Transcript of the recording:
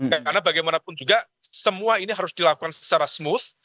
karena bagaimanapun juga semua ini harus dilakukan secara smooth